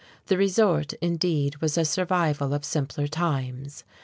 The resort, indeed, was a survival of simpler times....